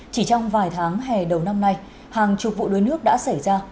chỉ trong vài tháng hè đầu năm nay hàng chục vụ đuối nước đã xảy ra